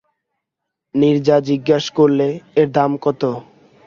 নীরজা জিজ্ঞাসা করলে, এর দাম কত।